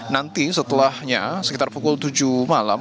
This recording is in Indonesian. nanti setelahnya sekitar pukul tujuh malam